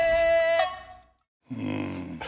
うん